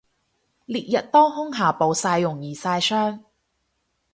烈日當空下暴曬容易曬傷